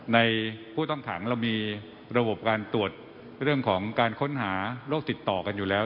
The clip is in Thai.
ในผู้ต้องขังเรามีระบบการตรวจเรื่องของการค้นหาโรคติดต่อกันอยู่แล้ว